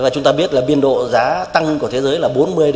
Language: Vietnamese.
chúng ta biết là biên độ giá tăng của thế giới là bốn mươi sáu